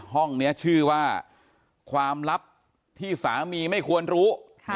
ห้องนี้ชื่อว่าความลับที่สามีไม่ควรรู้